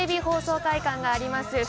ＲＫＢ放送会館があります